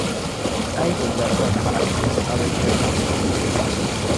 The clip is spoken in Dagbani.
A yi bi gari dakpaɣali a bi ʒiri li.